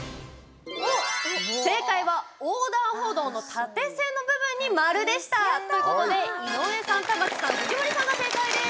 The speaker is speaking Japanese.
正解は横断歩道の縦線の部分に丸でした！ということで井上さん、田牧さん藤森さんが正解です！